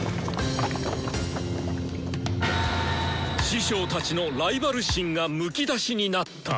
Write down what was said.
師匠たちのライバル心がむき出しになった！